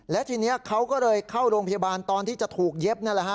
และทีนี้เขาก็เลยเข้าโรงพยาบาลตอนที่จะถูกเย็บนั่นแหละฮะ